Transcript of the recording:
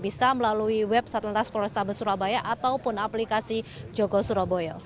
bisa melalui web sat lantas polresa besurabaya ataupun aplikasi jogo surabaya